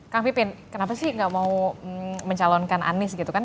kang pipin kenapa sih nggak mau mencalonkan anies gitu kan